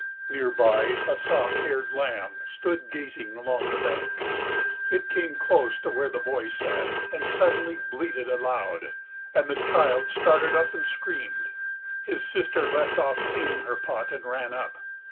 Near by a soft haired lamb stood gazing along the bank. It came close to where the boy sat and suddenly bleated aloud, and the child started up and screamed. His sister left off cleaning her pot and ran up.